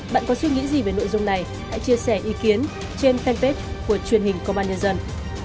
bạn có suy nghĩ gì về nội dung này hãy chia sẻ ý kiến trên fanpage của truyền hình công an nhân dân